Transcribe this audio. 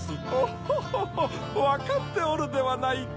オホホホわかっておるではないか。